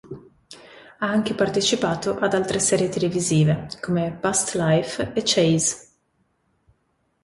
Ha anche partecipato ad altre serie televisive come "Past Life" e "Chase".